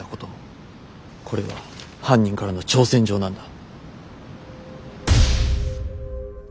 これは犯人からの挑戦状なんだ。